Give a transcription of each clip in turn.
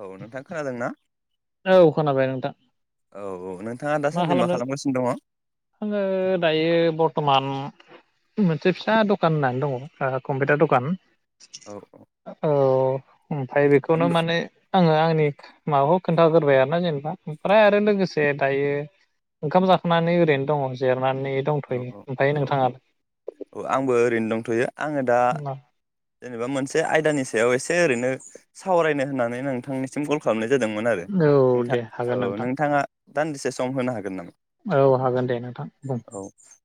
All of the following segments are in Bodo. औ नोंथां खोनादों ना औ खोनाबाय नोंथां औ औ नोंथाङा मा दासान्दि खालामदों खालामगासिनो दङ? आङो दायो बर बर्थमान मोनसे फिसा दखान होननानै दङ ओ कम्पिउटार दखान औ [inaudible] ओमफाय बेखौनो होमबा माने आङो आंनि माबा खोन्थागोरोबाय आरो ना जेनेबा ओमफ्राय आरो लोगोसे दायो ओंखाम जाखांनानै ओरैनो दङ जेर थांनानै औ दंथ'यो औ ओमफ्राय औ नोंथाङाय औ आंबो ओरैनो दंथ'यो आङो दा जेनेबा मोनसे आयदानि सायाव एसे ओरैनो सावरायनो होननानै नोंथांनिसिम कल खालामनोसै जादोंमोन आरो औ नोंथां दे औ हागोन नोंथां नोंथाङा दान्दिसे सम होनो हागोन नामा औ हागोन दे नोंथां बुं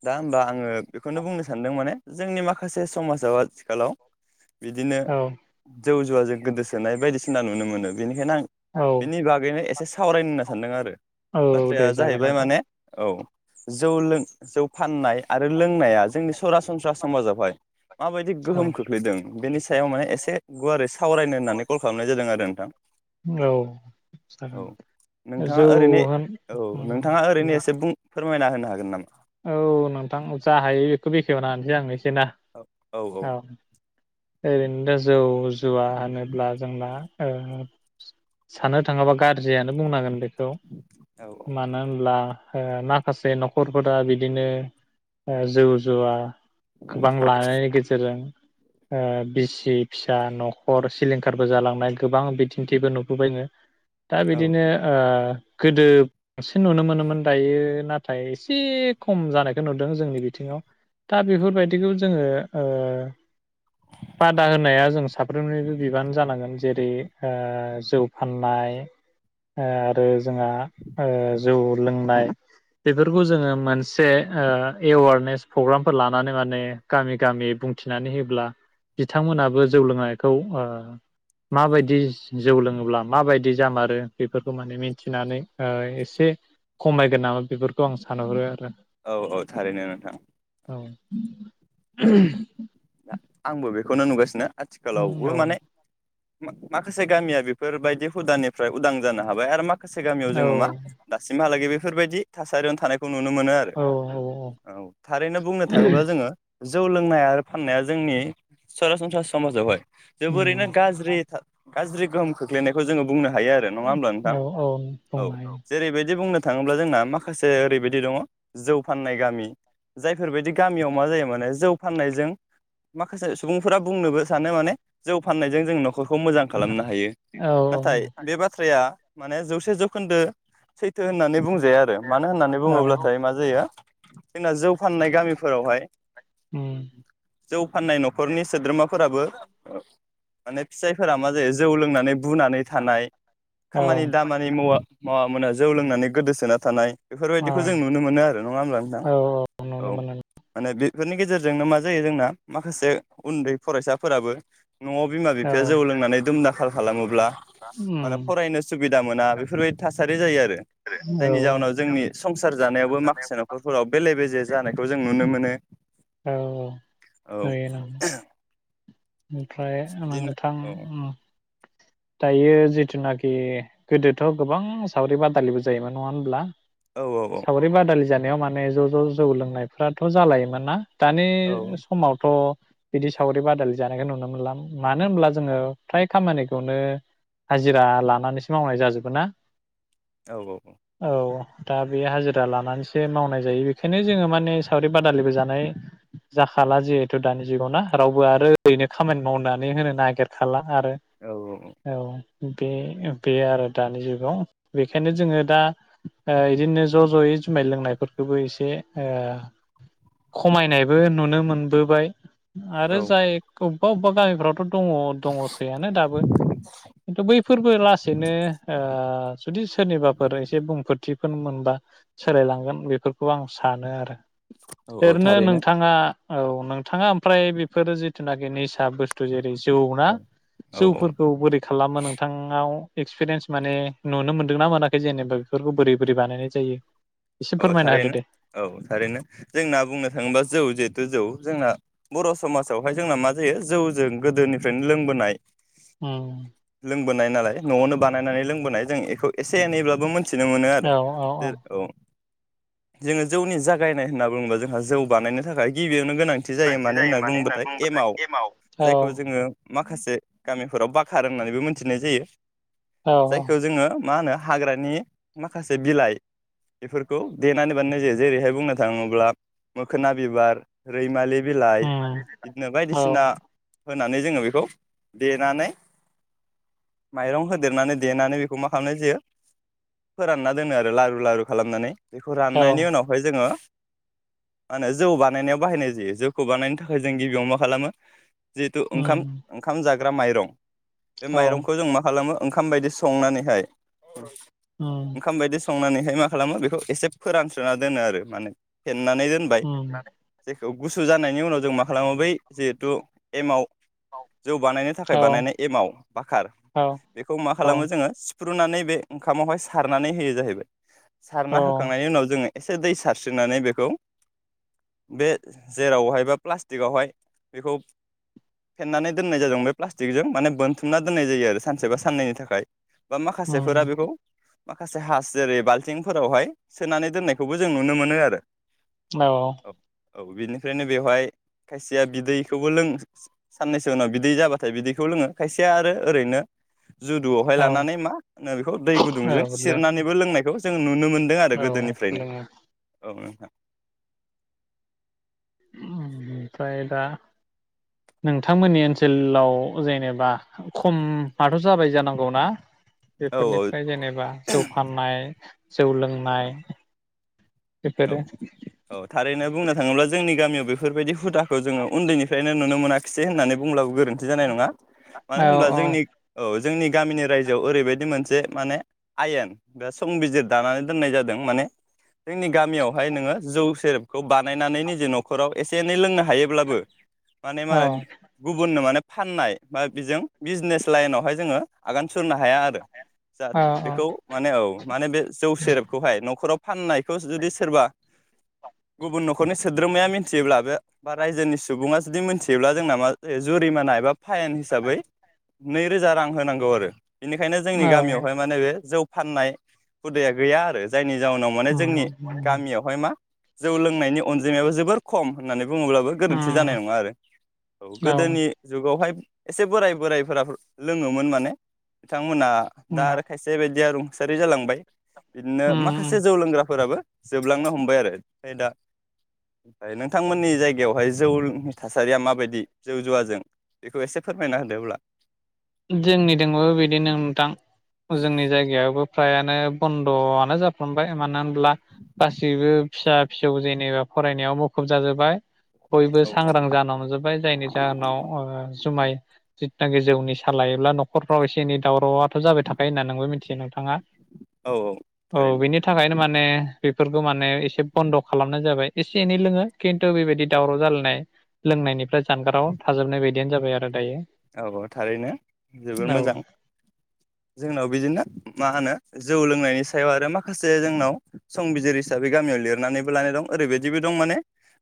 दा होनबा आङो बेखौनो बुंनो सानदों माने जोंनि माखासे समाजाव आथिखालाव बिदिनो औ जौ जुवाजों गोदोसोनाय बायदिसिना नुनो मोनो बेनिखायनो आं औ बेनि बागैनो एसे सावरायनो होनना सानदों आरो औ दे बाथ्राया जागोन जाहैबाय नोंथां माने औ जौ लों जौ फाननाय आरो लोंनाया जोंनि सरासनस्रा समाजावहाय माबायदि औ गोहोम खो बेनि सायाव माने एसे गुवारै सावरायनो होननानै कल खालामनाय जादों आरो दो नोंथां औ जागोन औ नोंथाङा जौ ओरैनो औ नोंथाङा ओरैनो होनबा एसे बुं फोरमायना होनो हागोन नामा औ नोंथां जा हायो बेखौ बेखेवनो होनसै आंनोस [unintelligible] औ ओरैनोनो जौ जुवा होनोब्ला जोंना साननो थाङोबा गाज्रियानो बुंनांगोन बे खौ मानो होनब्ला माखासे न'खरफोरा बिदिनो जौ जुवा गोबां लानायनि गेजेरजों ओ बिसि फिसा न'खर सिलिंखारबो जालांनाय गोबां बिदिन्थिबो नु बायनो दा औ बिदिनो ओ गोदो बांसिन नुनो मोनोमोन दायो नाथाय एसे खम जानायखौ नुदों जोंनि बिथिङाव दा बेफोरबायदिखौ जोङो ओ बादा होनाया जों साफ्रोमनिबो बिबान जानांगोन जेरै आ जौ फाननाय आरो जोंहा ओ जौ लोंनाय बेफोरखौ जोङो मोनसे एवारनेस प्रग्रामफोर लानानै माने गामि गामि बुंथिनानै होयोब्ला बिथांमोनाबो जौ लोंनायखौ माबायदि जौ लोंङो होनोब्ला माबायदि जामारो बेफोरखौ माने मिथिनानै ओ एसे खमायगोन नामा बेफोरखौ आं सानहरो आरो औ औ थारैनो नोंथां औ औ [inaudible] आंबो बेखौनो नुगासिनो आथिखालावबो माने माखासे गामिया बेफोरबायदि हुदानिफ्राय उदां जानो हाबाय आरो म माखासे गामियाव औ जोङो मा दासिमहालागै बे बेफोरबायदि थासारियावनो थानायखौ खौ नुनो मोनो आरो औ औ थारैनो बुंनो थाङोब्ला जोङो जौ लोंनाय आरो फाननाया जोंनि सरासनस्रा समाजावहाय जबोरैनो औ गाज्रि था गाज्रि गोहोम खोख्लैनायखौ जोङो बुंनो हायो आरो नङा होमब्ला नोंथां औ औ औ बुंनो हायो जेरैबायदि बुंनो नो थाङोब्ला जोंना माखासे ओरैबायदि दङ जौ फाननाय गामि जायफोरबायदि गामियाव मा जायो माने जौ फाननायजों माखासे सुबुंफोरा बुंनोबो सानो माने जौ फाननायजों जों न'खरखौ मोजां खालामनो हायो औ नाथाय बे बाथ्राया माने जौसे जौखोन्दो सैथो होननानै बुं जाया आरो मानो होननानै बुङोब्लाथाय मा जायो जोंना जौ फाननाय गामिफोरावहाय औ जौ फाननाय न'खरनि सोद्रोमा फोराबो माने फिसाइफोरा मा जायो जौ लोंनानै बुनानै थानाय औ खामानि दामानि मावा मावामोना जौ लोंनानै गोदोसोना थानाय औ बेफोरबायदिखौ जों नुनो मोनो आरो नङा होमब्ला नोंथां औ नुनो मोनो माने बे बेफोरनि गेजेरजोंनो म जायो जोंना माखासे उन्दै फरायसाफोराबो न'आव बिमा औ औ बिफाया औ जौ लोंनानै दुम दाखाल खालामोब्ला माने नुयो फरायनो सुबिदा मोना बेफोरबायदि थासारि बे जायो आरो जायनि जाहोनाव जोंनि संसार जानायावबो माखासे न'खरफोराव बेले बेजे जानायखौ जों नुनो मोनो औ नुयो ओमफ्राय बिदिनो नोंथां औ दायो जिथुनाखि गोदोथ' गोबां सावरि बादालिबो जायोमोन नङा होमब्ला औ सावरि बादालि जानो माने ज' ज' जौ लोंनायफ्राथ' जालायोमोन ना दानि औ समावथ' बिदि सावरि बादालि जानायखौ नुनो मोनलाां मानो होनब्ला जोङो फ्राय खामानिखौ खौनो हाजिरा लानानैसो मावनाय जाजोबो ना औ औ औ दा बे हाजिरा लानानैसो मावनाय जायो बेखायनो जोङो माने सावरि बादालिबो जानाय जाखाला जिहेथु दानि जुगावना रावबो आरो ओरैनो खामानि मावनानै होनो नागिरखाला आरो औ बे बे आरो दानि जुगाव बेखायनो जोङो दा ओ इदिनो ज' ज'यै जुमाय लोंनायफोरखौबो एसे ओ खमायनायबो नुनो मोनबोबाय आरो औ जाय अबेबा अबेबा [unintelligible] दङ दङसैयानो दाबो खिन्थु बैफोरबो लासैनो ओ जुदि सोरनिबाफोर एसे बुंफोर थिफोर मोनबा सोलायलांगोन बेफोरखौ आं सानो आरो औ औ ओरैनो थारैनो नोंथाङा औ नोंथाङा ओमफ्राय बेफोर जिथुनाखि निसा बुस्थु जेरै जौ ना औ औ जौ बोरै खालामो नोंथाङा एक्सपिरियेन्स माने नुनो मोनदोंना मोनाखै जेनेबा बेफोरखौ बोरै बोरै बानायनाय जायो एसे औ फोरमायना होदो थारैनो दे औ थारैनो जोंना बुंनो थाङोब्ला जौ जिहेथु जौ जोंना बर' समाजावहाय जोंना मा जायो जौजों गोदोनिफ्रायनो लोंबोनाय उम लोंबोनाय नालाय न'आवनो बानायनानै लोंबोनाय जों बेखौ एसे एनैब्लाबो मोन मिथिनो मोनो आरो औ औ जेर औ जोङो जौनि जागायनाय होनना बुङोबा जोंहा जौ बानायनो जाकर गिबिया नो गोनांथि जायो मानो होननानै बुंङोबाथाय एमाव जायखौ जोङो माखासे गामिफोराव बाखार होननानैबो मोनथिनाय जायो औ जायखौ जोङो मा होनो हाग्रानि माखासे बिलाइ बेफोरखौ देनानै बानायनाय जायो जेरैहाय बुंनो थाङोब्ला मोखोना बिबार रैमालि बिलाइ उम इदिनो औ बायदिसिना होनानै जोङो बेखौ देनानै माइरं होदेरनानै देनानै बेखौ मा खालामनो जोयो फोरानना दोनो आरो लारु लारु खालामनानै दैखौ औ राननायनि उनावहाय जोङो मा होनो जौ बानायनायाव बाहायनाय जायो जौखौ बानायनो थाखाय जों गिबियाव मा खालामो जिहेथु ओंखाम उम ओंखाम जागोन हाग्रा माइरं बे औ माइरंखौ जों मा खालामो ओंखाम बायदि संनानैहाय उम ओंखामबायदि स संनानैहाय मा खालामो बेखौ एसे फोरानस्रोना दोनो आरो माने नानै दोनबाय उम बे गुसु जानाय नि उनाव जों मा खालामो बै जे द' एमाव जौ बानायनो थाखाय औ बानायनाय एमाव बाखार औ बेखौ मा औ खालामो जोङो फुफ्रुनानै बे ओंखामावहाय सारनानै होयो जाहैबाय सारना होखांनायनि उनाव जोङो एसे दै सारस्रिनानै बेखौ बे जेरावहाय बा प्लास्टिकआवहाय बेखौ फेनानै दोननाय जादों बे प्लास्टिकजों माने बोनथुमना दोननाय जायो आरो सानसेबा साननैनि थाखाय बा माखासेफोरा उम बेखौ माखासे हास जेरै बालथिं फोरावहाय सोनानै दोननायखौबो जों नुनो मोनो आरो औ औ बिनिफ्रायनो बेवहाय खायसेया बिदैखौबो लोंङ साननैसो उनाव बिदै जाबाथाय बिदैखौ लोङो खायसेया आरो ओरैनो जुदुआवहाय औ लानानै मा होनो बेखौ दै गुदुंजों लोङो सिरनानैबो लोंनायखौ जों नुनो मोनदों आरो गोदोनिफ्रायनो औ ओमफ्राय दा नोंथांमोननि ओनसोलाव जेनेबा खमाथ' जाबाय जानांगौ ना औ बेफोरनिफ्राय जेनेबा जौ फाननाय जौ लोंनाय औ बेफोरो औ थारैनो बुंनो थाङोब्ला जोंनि गामियाव बे बेफोरबायदि हुदाखौ जोङो उन्दैनिफ्रायनो नुनो मोनाखिसै होननानै बुंब्लाबो गोरोन्थि जानाय नङा मानो औ होनब्ला जोंनि औ जोंनि गामिनि रायजोआव ओरैबायदि मोनसे माने आयेन बे संबिजिर दानानै दोननाय जादों माने जोंनि गामियावहाय नोङो जौ सेरेबखौ बानायनानै निजे न'खराव एसे एनै लोंनो हायोब्लाबो माने मा औ होनो गुबुननो माने फाननाय बा बिजों बिजनेस लाइनावहाय जोङो आगान सुरनो हाया आरो जा औ बेखौ माने औ माने बे जौ सेरेबखौहाय न'खराव फाननायखौ जुदि सोरबा गुबुन न'खरनि सोद्रोमाया मिथियोब्ला बे बा रायजोनि सुबुङा जुदि मिथियोब्ला जोंना मा जुरिमाना एबा फायेन हिसाबै नैरोजा रां होनांगौ आरो बेनिखायनो जोंनि औ गामियावहाय माने बे जौ फाननाय हुदाया गैया आरो जायनि जाहोनाव माने उम जोंनि उम गामियावहाय मा जौ लोंनायनि अनजि [unintelligible] जोबोर खम होननानै बुङोब्लाबो गोरोन्थि उम जानाय नङा आरो औ गोदोनि जुगावहाय एसे बोराय बोरायफोरा लोङोमोन माने बिथां बिथांथमोना दा उम आरो खायसे बायदि आरो थासारि जालांबाय बिदिनो माखासे उम जौ लोंग्राफोराबो जोबलांनो हमबाय आरो ओमफ्राय दा ओमफ्राय नोंथांमोननि जायगायावहाय जौनि थासारिया माबायदि जौ जुवाजों बेखौ एसे फोरमायना होदो अब्ला जोंनिजोंबो बिदिनो नोंथां जोंनि जायगायावबो फ्रायानो बन्द'आनो जाफ्लांबाय मानो होन गासैबो फिसा फिसौ जेनेबा फरायनायाव मुखुब जाजोबबाय बयबो औ सांग्रां जाना हजोब्बाय जायनि जाहोनाव ओ जुमाय [unintelligible] फसा लायोब्ला न'खरफ्राव एसे एन दावरावआथ' जाबाय थाखायो होनना नोंबो मिथियो नोंथाङा औ औ थारैनो बिनि थाखायनो माने बेफोरखौ माने एसे बन्द' खालामनाय जाबाय एसे एनै लोङो खिन्थु बेबायदि दावराव जालायनाय लोंनायनिफ्राय जानगाराव थाजोबनाय बायदियानो जाबाय आरो दायो औ थारैनो जोबोर औ मोजां जोंनाव बिदिनो मा होनो जौ लों लोंनायनि सायाव आरो माखासे जोंनाव सं बिजिर हिसाबैबो गामियाव लिरनानैदबो लानाय दं ओरैबादिबो दं माने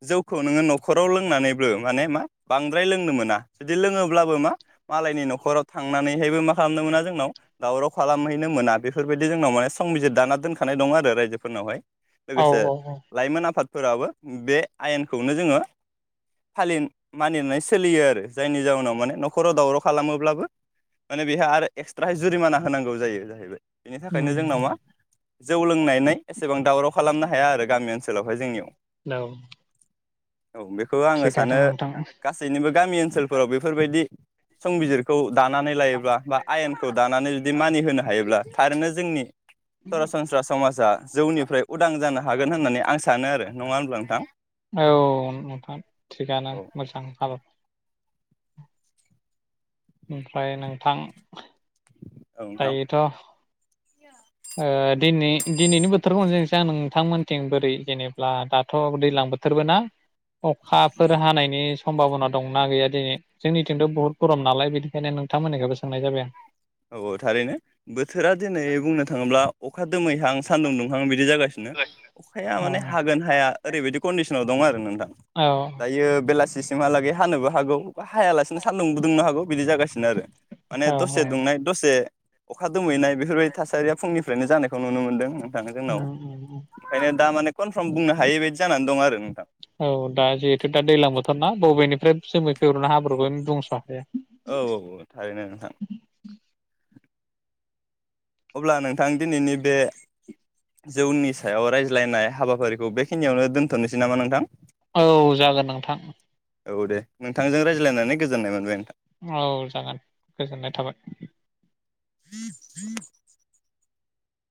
जौखौ नोङो नखराव लोंनानैबो नों बांद्राय लोंनो मोना बिदि लोङो ब्लाबो मा मालायनि न'खराव थांनानैहायबो मा खालामनो मोना जोंनाव दावराव खालामहैनो मोना बेफोरबायदि जोंनाव माने संबिजिर दाना दोनखानाय दं आरो रायजोफोरनावहाय औ लोगोसे औ औ लाइमोन आफाद फोराबो बे आयेनखौनो जोङो फालि मानिनानै सोलियो आरो जायनि जाउनाव माने न'खराव दावराव खालामोब्लाबो माने बेहा आरो एक्सट्र जुरिमाना होनांगौ जायो जाहैबाय बेनि उम थाखायनो जोंनााव मा जौ लोंनानै एसेबां दावराव खालामनो हाया आरो गामि ओनसोलावहाय जोंनियाव औ औ बेखौ आङो सानो थिगानो नोंथां गासैनिबो गामि ओनसोलाव बेफोर बेफोरबायदि संबिजिरखौ दानानै लायोब्ला बा आयेनखौ दानानै जुदि मानि होनो हायोब्ला थारैनो जोंनि सरासनस्रा समाजा जौनिफ्राय उदां जानो हागोन होननानै आं सानो आरो नङा होनब्ला नोंथां औ नोंथां थिगानो औ मोजां हाबा ओमफ्राय नोंथां औ नोंथां औ थायोथ ओ दिनै दिनैनि बोथोरखौ सोंनोसै आं नोंथांमोनथिं बोरै जेनेबा दाथ' दैज्लां बोथोरबो ना अखाफोर हानायनि समभाबना दंना गैया दिनै जोंनिथिंथ' बहुद गरम नालाय बिदि बेै नोंथांमोननिखौबो सोंनाय जाबाय आं औ औ थारैनो बोथोरा दिनै बुंनो थाङो थाङोब्ला अखा दोमैहां सान्दुं दुंहां बिदि जागासिनो अखाया माने आं हागोन हाया ओरैबायदि कन्डिसनाव दं आरो [unintelligible] औ दायो बेलासि सिमहालागै हानोबो हागौ ब हायालासिनो सान्दुंबो दुंनो हागौ बिदि जागासिनो आरो माने औ दसे औ दसे अखा दोमैनाय बेफोरबायदि थासारिया फुंनि फायनो जानायखौ नुनो मोनदों थाङो उम जोंनाव उम ओंखायनो दा माने कनफारम बुंनो हायि बायदि जानानै दं आरो नोंथां औ दा जिहेथु दा दैलां बोथोरना बबेनिफ्राय जोमै [unintelligible] हाब्रुखौनो बुंस' हाया औ औ औ थारैनो नोंथां अब्ला नोंथां दिनैनि बे जौनि सायाव रायज्लायनाय हाबाफारिखौ बेखिनियावनो दोनथ'नोसै नामा नोंथां औ जागोन नोंथां औ दे नोंथांजों रायज्लायनानै गोजोननाय मोनबाय नोंथां औ जागोन गोजोननाय थाबाय [unintelligible]